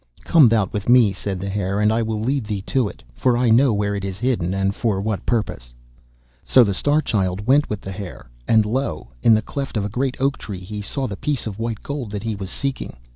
'Come thou with me,' said the Hare, 'and I will lead thee to it, for I know where it is hidden, and for what purpose.' So the Star Child went with the Hare, and lo! in the cleft of a great oak tree he saw the piece of white gold that he was seeking.